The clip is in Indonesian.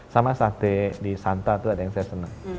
sama sate di santa itu ada yang saya senang